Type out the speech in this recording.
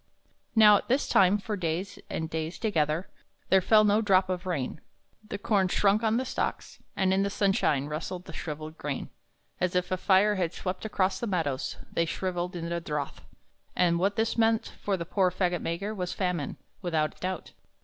Now at this time, for days and days together, There fell no drop of rain; The corn shrunk on the stalks; and in the sunshine Rustled the shriveled grain; As if a fire had swept across the meadows They shriveled in the drouth; And what this meant for the poor fagot maker Was famine, without doubt.